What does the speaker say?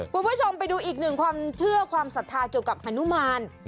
คุณผู้ชมไปดูอีกหนึ่งความเชื่อความศรัทธาเกี่ยวกับฮานุมาน